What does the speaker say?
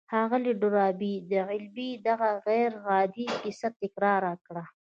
ښاغلي ډاربي د غلبې دغه غير عادي کيسه تکرار کړه.